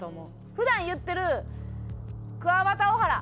普段言ってる「クワバタオハラ」。